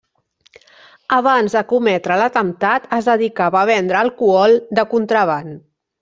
Abans de cometre l'atemptat, es dedicava a vendre alcohol de contraban.